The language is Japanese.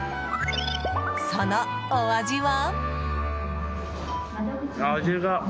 そのお味は？